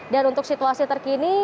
dan untuk situasi terkini